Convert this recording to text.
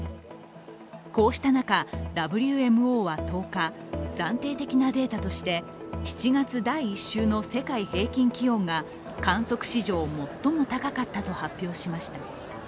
こうした中、ＷＭＯは１０日、暫定的なデータとして７月第１週の世界平均気温が観測史上最も高かったと発表しました。